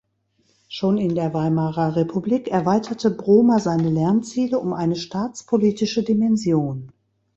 Schon in der Weimarer Republik erweiterte Brohmer seine Lernziele um eine staatspolitische Dimension.